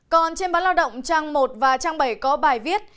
còn trên báo lao động trang một và trang bảy có bài viết